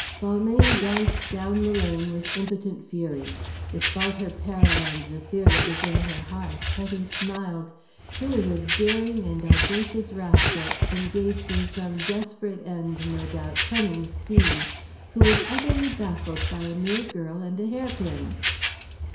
Balmayne danced down the lane with impotent fury. Despite her peril and the fear that was in her heart, Hetty smiled. Here was a daring and audacious rascal engaged in some desperate and, no doubt, cunning scheme who was utterly baffled by a mere girl and a hairpin.